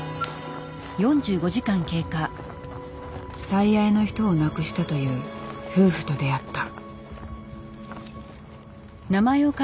最愛の人を亡くしたという夫婦と出会った。